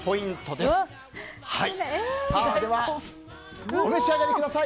では、お召し上がりください！